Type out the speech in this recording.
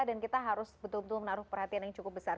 dan kita harus betul betul menaruh perhatian yang cukup besar